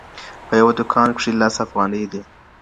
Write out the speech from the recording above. په يوه دوکان کښي لس افغانۍ دي.